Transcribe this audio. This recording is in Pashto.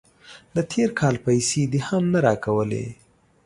د تیر کال پیسې دې هم نه راکولې.